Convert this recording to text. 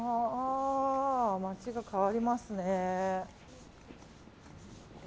街が変わりますね。